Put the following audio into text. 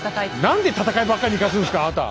何で戦いばっかり行かすんですかあなた。